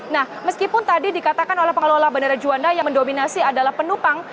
nah meskipun tadi dikatakan oleh pengelola bandara juanda yang mendominasi adalah penumpang